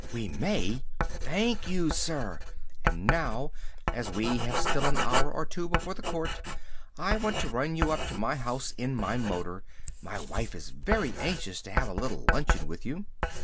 We may! Thank you, sir. And now, as we have still an hour or two before the court, I want to run you up to my house in my motor. My wife is very anxious to have a little luncheon with you."